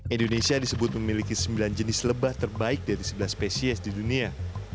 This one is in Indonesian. indonesia disebut memiliki sembilan jenis lebah terbaik dari sebelas spesies di dunia